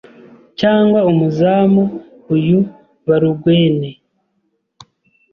Cyangwa umuzamu uyu Barugwene